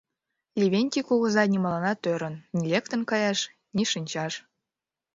Левентей кугыза нимоланат ӧрын: ни лектын каяш, ни шинчаш...